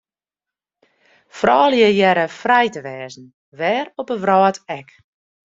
Froulju hearre frij te wêze, wêr op 'e wrâld ek.